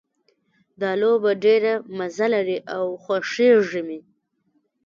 دا لوبه ډېره مزه لري او خوښیږي مې